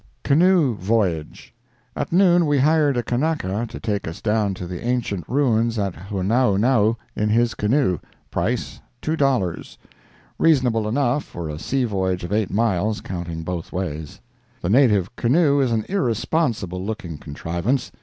CANOE VOYAGE At noon, we hired a Kanaka to take us down to the ancient ruins at Honaunau in his canoe—price two dollars—reasonable enough, for a sea voyage of eight miles, counting both ways. The native canoe is an irresponsible looking contrivance.